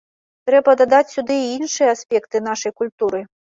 Трэба дадаць сюды і іншыя аспекты нашай культуры.